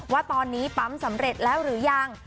ว่าตอนนี้ปั๊มสำเร็จแล้วหรือยัง